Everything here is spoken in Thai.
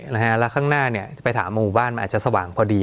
นะฮะแล้วข้างหน้าเนี่ยจะไปถามบางบ้านมันอาจจะสว่างพอดี